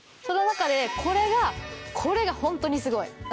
その中でこれがこれがホントにすごい！